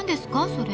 それ。